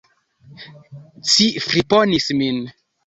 Ci friponis min!